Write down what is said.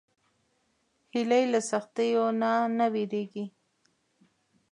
هیلۍ له سختیو نه نه وېرېږي